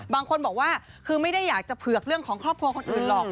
บางคนบอกว่าคือไม่ได้อยากจะเผือกเรื่องของครอบครัวคนอื่นหรอก